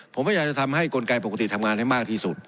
ผมพยายามจะทำให้กลไกปกติทำงานให้มากที่สุด